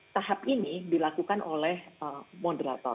tahap ini dilakukan oleh moderator